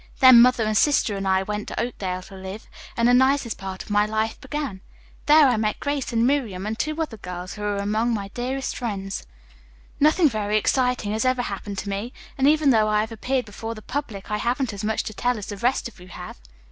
Then mother and sister and I went to Oakdale to live, and the nicest part of my life began. There I met Grace and Miriam and two other girls who are among my dearest friends. Nothing very exciting has ever happened to me, and even though I have appeared before the public I haven't as much to tell as the rest of you have."